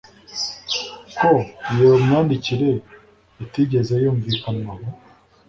ko iyo myandikire itigeze yumvikanwaho